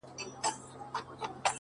چي د دفتر همكاران وايي راته!!